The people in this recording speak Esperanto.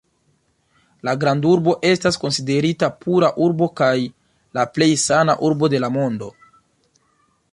La grandurbo estas konsiderita pura urbo kaj la plej sana urbo de la mondo.